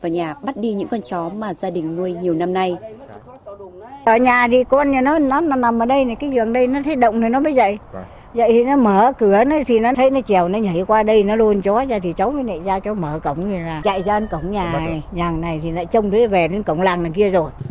nhà bà lê thị sơn đột nhập vào nhà bắt đi những con chó mà gia đình nuôi nhiều năm nay